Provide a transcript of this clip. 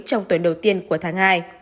trong tuần đầu tiên của tháng hai